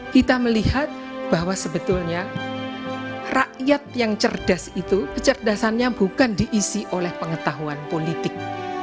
kita melihat bahwa sebetulnya rakyat yang cerdas itu kecerdasannya bukan diisi oleh pengetahuan politik